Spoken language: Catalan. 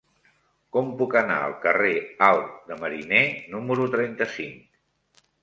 Com puc anar al carrer Alt de Mariner número trenta-cinc?